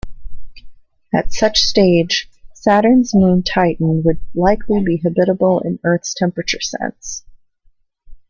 At such stage, Saturn's moon Titan would likely be habitable in Earth's temperature sense.